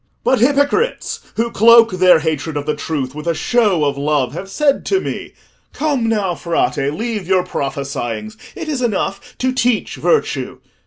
"But hypocrites who cloak their hatred of the truth with a show of love have said to me, 'Come now, Frate, leave your prophesyings: it is enough to teach virtue.